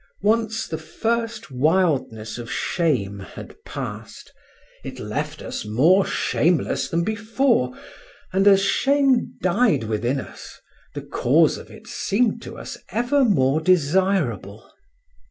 Once the first wildness of shame had passed, it left us more shameless than before, and as shame died within us the cause of it seemed to us ever more desirable.